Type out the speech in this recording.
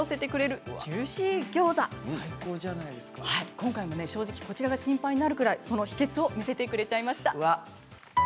今回もね正直こちらが心配になるくらいその秘けつを見せてくれちゃいました。